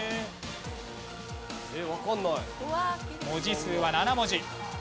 文字数は７文字。